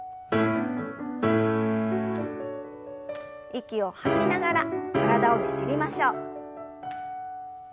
息を吐きながら体をねじりましょう。